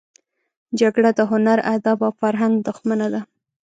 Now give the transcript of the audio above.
جګړه د هنر، ادب او فرهنګ دښمنه ده